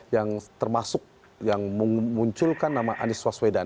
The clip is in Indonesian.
yang termasuk yang memunculkan nama anies waswedan